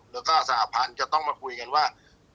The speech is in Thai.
แล้วก็สหพันธ์จะต้องมาคุยกันว่า